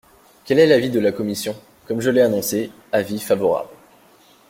Quel est l’avis de la commission ? Comme je l’ai annoncé, avis favorable.